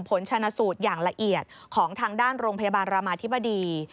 ผลชนะสูตรอย่างละเอียดของทางด้านโรงพยาบาลรามาธิบดี